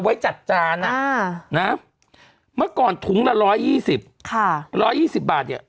ไว้จัดจาน่ะอ่าน่ะเมื่อก่อนทุ่งละร้อยยี่สิบค่ะร้อยยี่สิบบาทเนี่ย